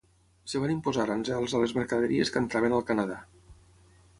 Es van imposar aranzels a les mercaderies que entraven al Canadà.